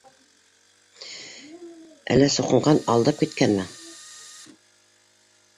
— Әллә, суҡынған, алдап киткәнме?